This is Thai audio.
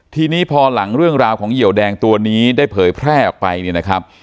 ทีนี้พอหลังเรื่องราวของเหยียวแดงตัวนี้ได้เผยแพร่ออกไปเนี่ยนะครับ